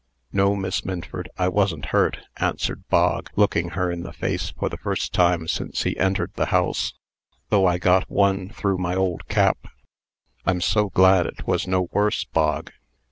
"No, Miss Minford; I wasn't hurt," answered Bog, looking her in the face for the first time since he entered the house, "though I got one through my old cap." "I'm so glad it was no worse, Bog."